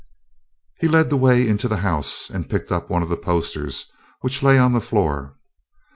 He led the way into the house and picked up one of the posters, which lay on the floor.